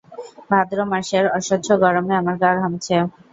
ভাদ্র মাসের অসহ্য গরমে আমার গা ঘামছে।